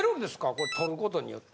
これ取ることによって？